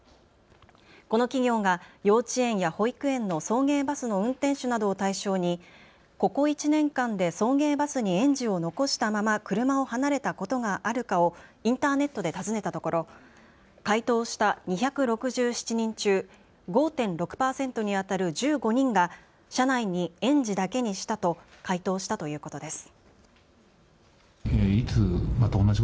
この企業が幼稚園や保育園の送迎バスの運転手などを対象にここ１年間で送迎バスに園児を残したまま車を離れたことがあるかをインターネットで尋ねたところ、回答した２６７人中、５．６％にあたる１５人が車内に園児だけにしたと回答したということです。